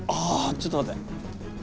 ちょっと待って。